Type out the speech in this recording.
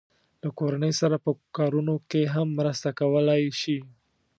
له کورنۍ سره په کارونو کې هم مرسته کولای شي.